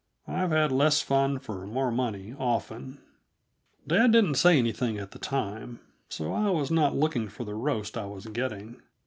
I've had less fun for more money, often. Dad didn't say anything at the time, so I was not looking for the roast I was getting.